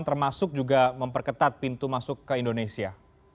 termasuk juga memperketat pintu masuk ke indonesia